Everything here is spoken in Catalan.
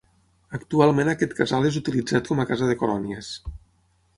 Actualment aquest casal és utilitzat com a casa de colònies.